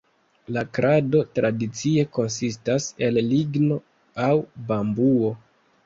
La krado tradicie konsistas el ligno aŭ bambuo.